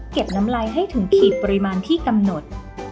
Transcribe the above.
น้ำลายให้ถึงขีดปริมาณที่กำหนด